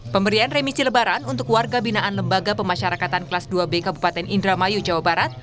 pemberian remisi lebaran untuk warga binaan lembaga pemasyarakatan kelas dua b kabupaten indramayu jawa barat